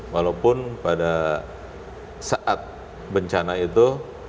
walaupun pada saat bencana itu